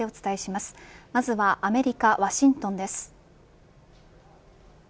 まずはアメリカワシントンです。